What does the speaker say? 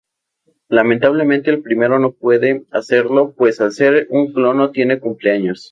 Lamentablemente el primero no puede hacerlo pues al ser un clon no tiene cumpleaños.